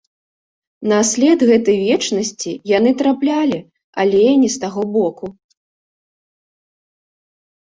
На след гэтай вечнасці яны траплялі, але не з таго боку.